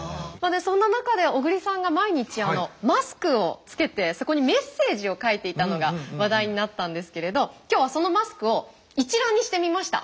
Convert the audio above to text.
そんな中で小栗さんが毎日マスクをつけてそこにメッセージを書いていたのが話題になったんですけれど今日はそのマスクを一覧にしてみました。